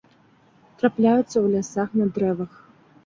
Трапляюцца ў лясах на дрэвах.